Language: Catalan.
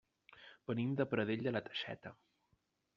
Venim de Pradell de la Teixeta.